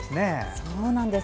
そうなんです。